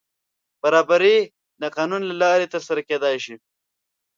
برابري د قانون له لارې تر سره کېدای شي.